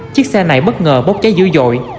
chiếc xe này bất ngờ bốc cháy dữ dội